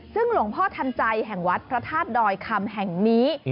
ซึ่งหลวงพ่อทันใจแห่งวัดพระธาตุดอยคำแห่งนี้